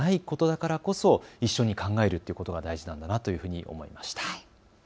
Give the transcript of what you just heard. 答えがないことだからこそ一緒に考えるということが大事なんだなというふうに思いました。